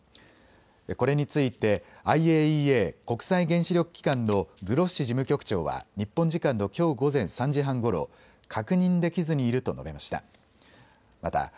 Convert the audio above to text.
これについてＩＡＥＡ・国際原子力機関のグロッシ事務局長は日本時間のきょう午前３時半ごろ、確認できずにいると述べました。